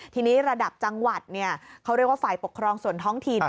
ทีนี้ระดับจังหวัดเขาเรียกว่าฝ่ายปกครองส่วนท้องถิ่น